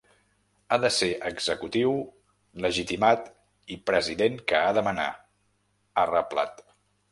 Ha de ser executiu, legitimat i president que ha de manar, ha reblat.